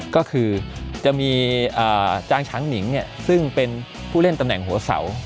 ก็คือจะมีจ้างช้างหนิงซึ่งเป็นผู้เล่นตำแหน่งหัวเสา